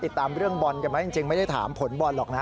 ติดตามเรื่องบอลกันไหมจริงไม่ได้ถามผลบอลหรอกนะ